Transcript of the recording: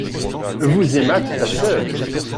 Vous aimâtes ta sœur.